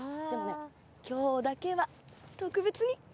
でもね今日だけは特別に。